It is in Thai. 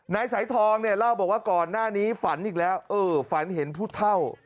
นายสายทองเนี่ยเล่าบอกว่าก่อนหน้านี้ฝันอีกแล้วเออฝันเห็นผู้เท่า